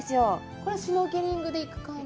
これシュノーケリングで行く感じ？